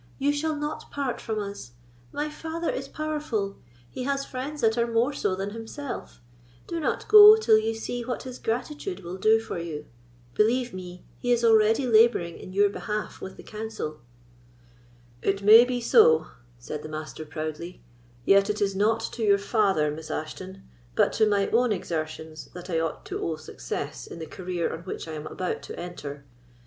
"You shall not part from us. My father is powerful, he has friends that are more so than himself; do not go till you see what his gratitude will do for you. Believe me, he is already labouring in your behalf with the council." "It may be so," said the Master, proudly; "yet it is not to your father, Miss Ashton, but to my own exertions, that I ought to owe success in the career on which I am about to enter.